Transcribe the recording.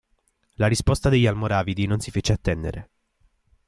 La risposta degli almoravidi non si fece attendere.